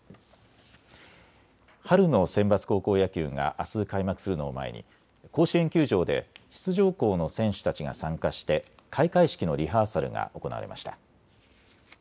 春のセンバツ高校野球があす開幕するのを前に甲子園球場で出場校の選手たちが参加して開会式のリハーサルが行われました。